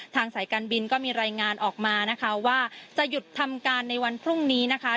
สายการบินก็มีรายงานออกมานะคะว่าจะหยุดทำการในวันพรุ่งนี้นะคะ